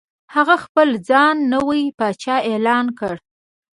هغه خپل ځان نوی پاچا اعلان کړ.